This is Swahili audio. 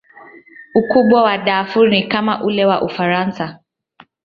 Ukubwa wa Darfur ni kama ule wa Ufaransa.